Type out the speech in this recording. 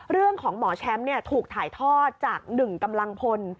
เรื่องของหมอแชมป์ถูกถ่ายทอดจาก๑กำลังพล